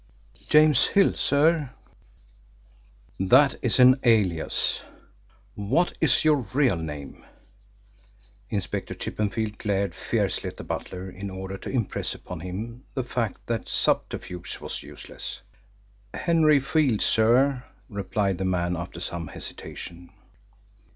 "James Hill, sir." "That is an alias. What is your real name?" Inspector Chippenfield glared fiercely at the butler in order to impress upon him the fact that subterfuge was useless. "Henry Field, sir," replied the man, after some hesitation.